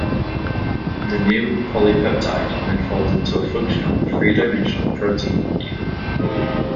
The new polypeptide then folds into a functional three-dimensional protein molecule.